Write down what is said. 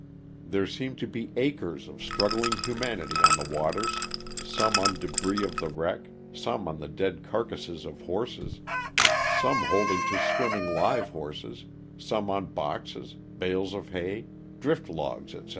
There seemed to be acres of struggling humanity on the waters, some on debris of the wreck, some on the dead carcasses of horses, some holding to swimming live horses, some on boxes, bales of hay, drift logs, etc.